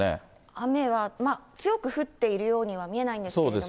雨は強く降っているようには見えないんですけれども。